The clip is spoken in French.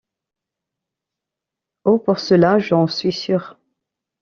Oh! pour cela, j’en suis sûr !